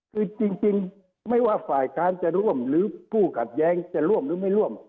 คือจริงไม่ว่าฝ่ายค้านจะร่วมหรือผู้ขัดแย้งจะร่วมหรือไม่ร่วม